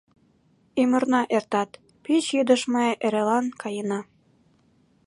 Ӱмырна эртат, пич йӱдыш Ме эрелан каена.